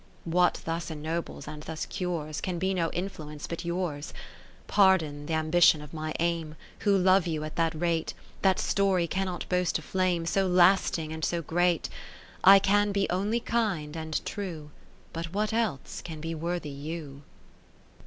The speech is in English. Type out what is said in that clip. What thus ennobles and thus cures. Can be no influence but yours. 30 Pardon th' ambition of my aim, Who love you at that rate, That story cannot boast a flame So lasting and so great. I can be only kind and true, But what else can be worthy you